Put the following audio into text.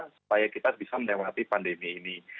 supaya kita bisa melewati pandemi ini